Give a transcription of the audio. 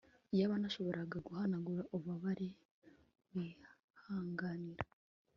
iyaba nashoboraga guhanagura ububabare wihanganira